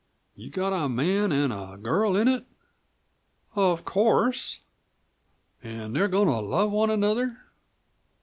"You got a man an' a girl in it?" "Of course." "An' they're goin' to love one another?"